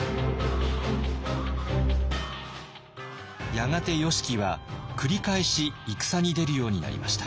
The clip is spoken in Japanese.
やがて義材は繰り返し戦に出るようになりました。